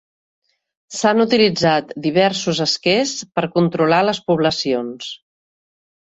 S'han utilitzat diversos esquers per controlar les poblacions.